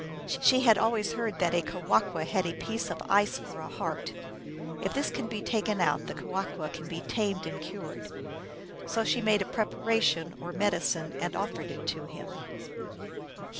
She had always heard that a Kewahqu had a piece of ice for a heart. If this can be taken out, the Kewahqu can be tamed and cured. So she made a preparation or medicine, and offered it to him.